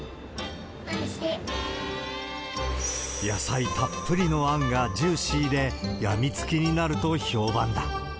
野菜たっぷりのあんがジューシーで、やみつきになると評判だ。